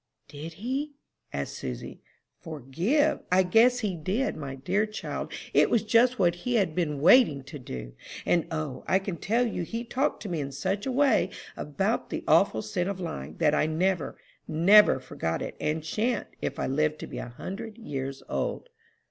'" "Did he?" asked Susy. "Forgive! I guess he did! My dear child, it was just what he had been waiting to do! And, O, I can tell you he talked to me in such a way about the awful sin of lying, that I never, never forgot it, and shan't, if I live to be a hundred years old."